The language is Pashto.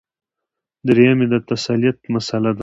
درېیم یې د تثلیث مسله ده.